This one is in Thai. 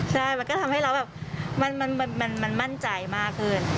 ใช่มันก็ทำให้เราแบบมันมั่นใจมากขึ้น